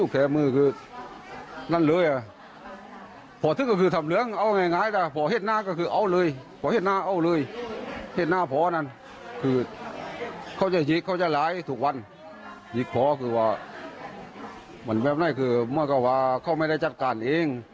คือเขาจะหยิกเขาจะหลายทุกวันหยิกพ่อคือว่ามันแบบนั้นคือเมื่อก็ว่าเขาไม่ได้จัดการเอง